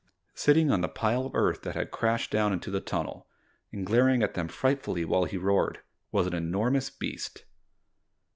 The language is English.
Sitting on the pile of earth that had crashed down into the tunnel, and glaring at them frightfully while he roared, was an enormous beast.